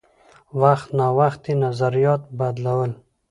وخت نا وخت یې نظریات بدلول.